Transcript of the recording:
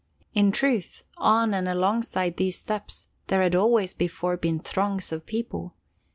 In truth, on and alongside these steps there had always before been throngs of people.